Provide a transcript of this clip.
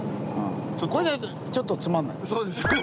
これだとちょっとつまんないですね。